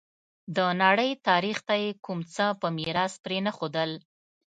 د نړۍ تاریخ ته یې کوم څه په میراث پرې نه ښودل.